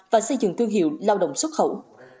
và xây dựng thương hiệu lao động xuất khẩu